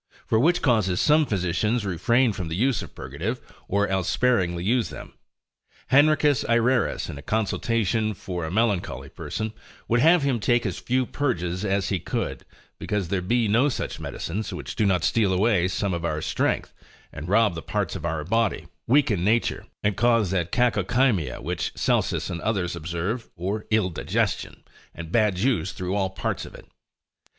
For which causes some physicians refrain from the use of purgatives, or else sparingly use them. Henricus Ayrerus in a consultation for a melancholy person, would have him take as few purges as he could, because there be no such medicines, which do not steal away some of our strength, and rob the parts of our body, weaken nature, and cause that cacochymia, which Celsus and others observe, or ill digestion, and bad juice through all the parts of it.